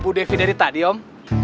bu devi dari tadi om